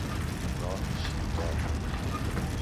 راه شیبدار